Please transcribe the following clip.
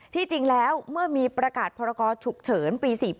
ที่จริงแล้วเมื่อมีประกาศพรกรฉุกเฉินปี๔๘